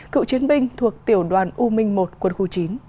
cựu chiến binh thuộc tiểu đoàn u minh một quân khu chín